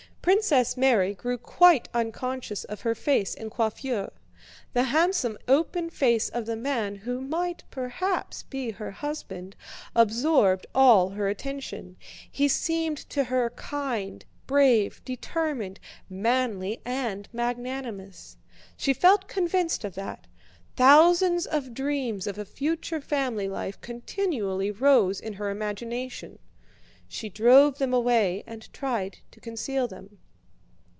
Princess Mary grew quite unconscious of her face and coiffure. The handsome open face of the man who might perhaps be her husband absorbed all her attention. He seemed to her kind, brave, determined, manly, and magnanimous. She felt convinced of that. Thousands of dreams of a future family life continually rose in her imagination. She drove them away and tried to conceal them.